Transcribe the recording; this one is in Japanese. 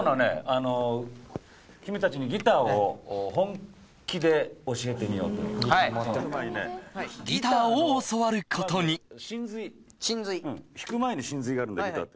あの君たちにギターを本気で教えてみようというギターを教わることに神髄うん弾く前に神髄があるんだよ